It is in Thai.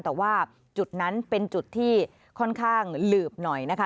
แต่ว่าจุดนั้นเป็นจุดที่ค่อนข้างหลืบหน่อยนะคะ